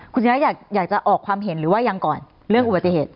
คุณชนะอยากจะออกความเห็นหรือว่ายังก่อนเรื่องอุบัติเหตุ